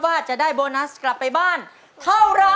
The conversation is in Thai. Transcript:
ว่าจะได้โบนัสกลับไปบ้านเท่าไร